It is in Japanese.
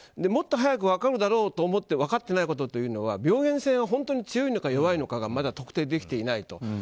もっと早く分かるだろうと思って分かってないことというのは病原性が本当に強いのか弱いのかが特定できていないと。